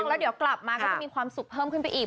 แล้วเดี๋ยวกลับมาก็จะมีความสุขเพิ่มขึ้นไปอีก